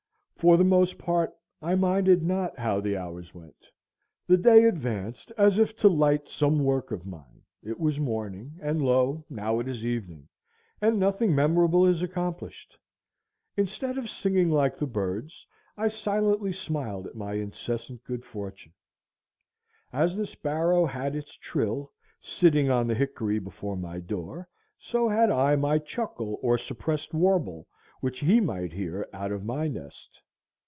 For the most part, I minded not how the hours went. The day advanced as if to light some work of mine; it was morning, and lo, now it is evening, and nothing memorable is accomplished. Instead of singing like the birds, I silently smiled at my incessant good fortune. As the sparrow had its trill, sitting on the hickory before my door, so had I my chuckle or suppressed warble which he might hear out of my nest.